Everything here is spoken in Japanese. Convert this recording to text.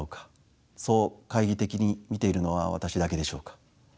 そう懐疑的に見ているのは私だけでしょうか？